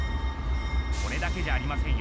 これだけじゃありませんよ。